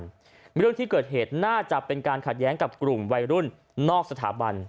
เรื่องที่เกิดเหตุน่าจะเป็นการขัดแย้งกับกลุ่มวัยรุ่นนอกสถาบัน